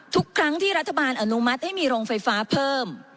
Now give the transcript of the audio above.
ทุกครั้งที่รัฐบาลอนุมัติให้มีโรงไฟฟ้าเพิ่ม